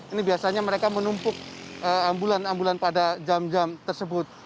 ini biasanya mereka menumpuk ambulan ambulan pada jam jam tersebut